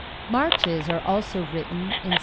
] Marches are also written in 6 8.